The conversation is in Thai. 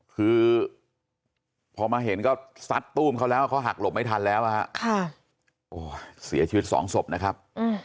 คือพอมาเห็นก็ซัดตู้มเขาแล้วเขาหักหลบไม่ทันแล้วฮะโอ้เสียชีวิตสองศพนะครับ